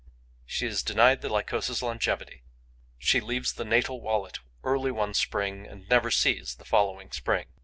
She is denied the Lycosa's longevity. She leaves the natal wallet early one spring and never sees the following spring.